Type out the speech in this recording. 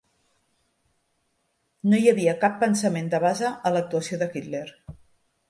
No hi havia cap pensament de base a l'actuació de Hitler.